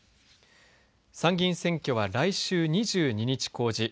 参議院選挙は来週２２日公示